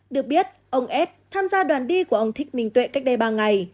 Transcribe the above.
được biết ông s tham gia đoàn đi của ông thích minh tuệ cách đây ba ngày